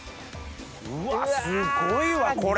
うわすごいわこれ！